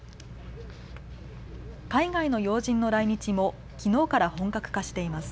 海外の要人の来日もきのうから本格化しています。